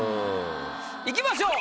いきましょう。